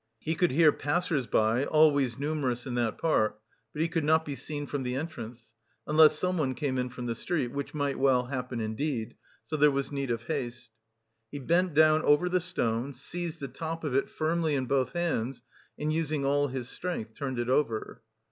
He could hear passers by, always numerous in that part, but he could not be seen from the entrance, unless someone came in from the street, which might well happen indeed, so there was need of haste. He bent down over the stone, seized the top of it firmly in both hands, and using all his strength turned it over.